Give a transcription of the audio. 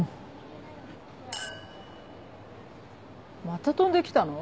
また飛んで来たの？